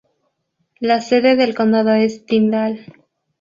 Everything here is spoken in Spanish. La sede del condado es Tyndall.